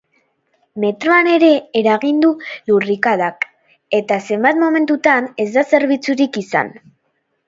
Metroan ere eragin du lurrikarak, eta zenbat momentutan ez da zerbituzik izan.